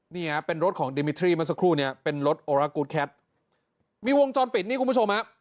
นี่ฮะเป็นรถของดิมิทรี่เมื่อสักครู่เนี้ยเป็นรถโอรากูแคทมีวงจรปิดนี่คุณผู้ชมฮะ